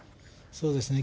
そうですね。